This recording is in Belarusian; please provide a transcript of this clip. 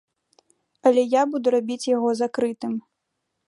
Але я буду рабіць яго закрытым.